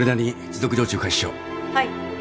はい。